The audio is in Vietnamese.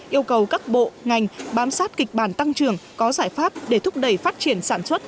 yêu cầu các bộ ngành bám sát kịch bản tăng trưởng có giải pháp để thúc đẩy phát triển sản xuất